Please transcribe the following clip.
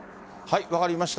分かりました。